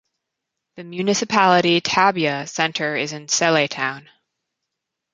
The municipality ("tabia") centre is in Sele town.